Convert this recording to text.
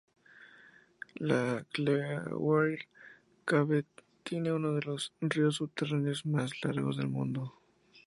La Clearwater Cave tiene uno de los ríos subterráneos más largos del mundo.